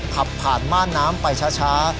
ขับผ่านม่านน้ำไปช้า